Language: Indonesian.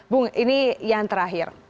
bung ini yang terakhir